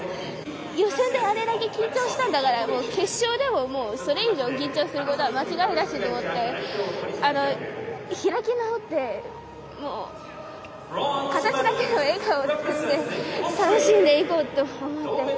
予選であれだけ緊張したんだから決勝でも、それ以上に緊張することは間違いないと思って開き直って形だけの笑顔を作って楽しんでいこうと思って。